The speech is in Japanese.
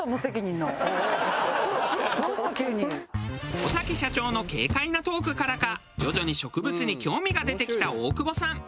尾崎社長の軽快なトークからか徐々に植物に興味が出てきた大久保さん。